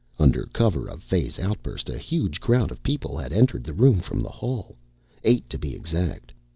Under cover of Fay's outburst a huge crowd of people had entered the room from the hall eight, to be exact.